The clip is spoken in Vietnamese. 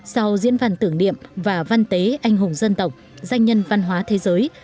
sau diễn văn tưởng niệm và văn tế anh hùng dân tộc danh nhân văn hóa thế giới